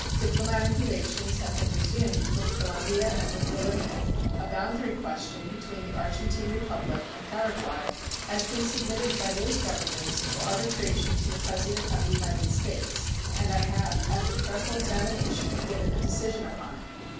Diplomatic relations have been resumed with Colombia and with Bolivia. A boundary question between the Argentine Republic and Paraguay has been submitted by those Governments for arbitration to the President of the United States, and I have, after careful examination, given a decision upon it.